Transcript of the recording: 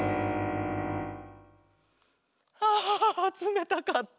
ああつめたかった。